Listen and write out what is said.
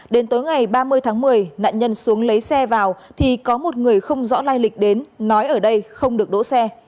đến tối ngày ba mươi tháng một mươi nạn nhân xuống lấy xe vào thì có một người không rõ lai lịch đến nói ở đây không được đỗ xe